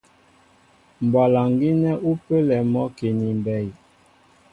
Mbwalaŋ gínɛ́ ú pə́lɛ a mɔ́ki ni mbey.